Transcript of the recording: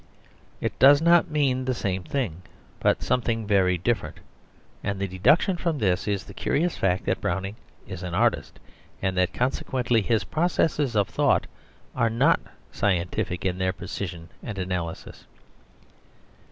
It does not mean the same thing, but something very different; and the deduction from this is the curious fact that Browning is an artist, and that consequently his processes of thought are not "scientific in their precision and analysis."